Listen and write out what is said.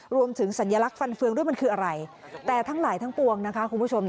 สัญลักษณ์ฟันเฟืองด้วยมันคืออะไรแต่ทั้งหลายทั้งปวงนะคะคุณผู้ชม